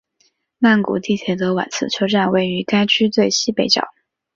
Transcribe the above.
曼谷地铁的挽赐车站位于该区最西北角。